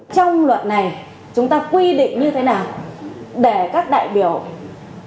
trong luận này chúng ta quy định như thế nào để các đại biểu quốc hội